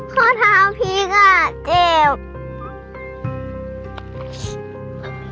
ข้อเท้าพลิกอ่ะเจ็บ